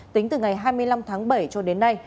tính từ ngày hai mươi năm tháng bảy cho đến nay